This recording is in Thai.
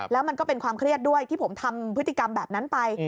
แล้วมันก็เป็นความเครียดด้วยที่ผมทำพฤติกรรมแบบนั้นไป